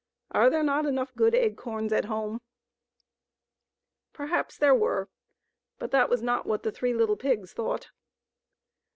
Are there not good enough acorns at home? • Perhaps there were ; but that was not what the three little pigs thought.